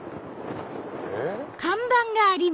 えっ？